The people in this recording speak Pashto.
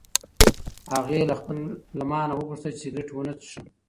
هغې له ما نه وغوښتل چې سګرټ ونه څښم.